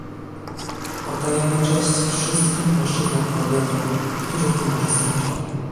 Oddajemy cześć wszystkim mężczyznom i kobietom, którzy w tym uczestniczą